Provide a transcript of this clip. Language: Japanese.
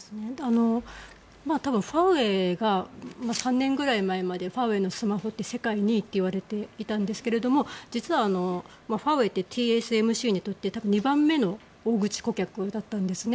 多分、ファーウェイが３年くらい前までファーウェイのスマホって世界２位って言われていたんですが実はファーウェイってＴＳＭＣにとって多分２番目の大口顧客だったんですね。